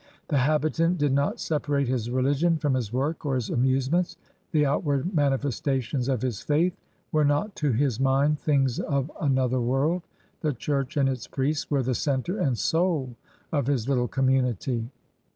The habitant did not separate his religion from his work or his amusements; the outward manifes tations of his faith were not to his mind things of another world; the church and its priests were the center alad soul of his little community.